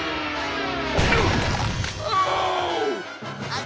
ああ！